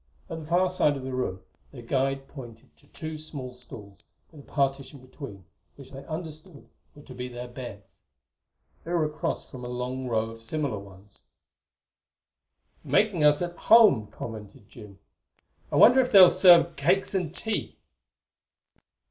At the far side of the room their guide pointed to two small stalls, with a partition between, which they understood were to be their beds. They were across from a long row of similar ones. "Making us right at home," commented Jim. "I wonder if they'll serve cakes and tea."